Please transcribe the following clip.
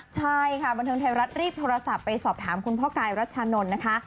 ใช่ค่ะบันเทิงไทยรัฐรีบโทรศัพท์ไปสอบถามคุณพ่อกายรัชชานนท์นะคะ